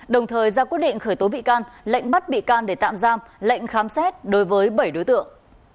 đồng thời ra quyết định khởi tố bị can lệnh bắt bị can để tạm giam lệnh khám xét đối với bảy đối tượng